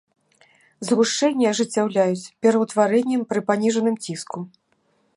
Згушчэнне ажыццяўляюць пераўтварэннем пры паніжаным ціску.